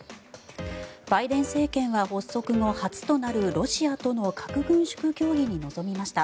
バイデン政権は発足後初となるロシアとの核軍縮協議に臨みました。